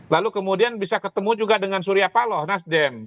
lalu kemudian bisa ketemu juga dengan surya paloh nasdem